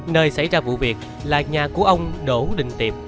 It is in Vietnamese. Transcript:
nơi xảy ra vụ việc là nhà của ông đỗ đình tiệp